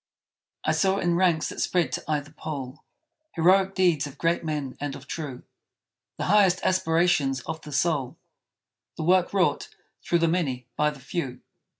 I saw, in ranks that spread to either pole, Heroic deeds of great men and of true; The highest aspirations of the soul; The work wrought, through the many, by the few!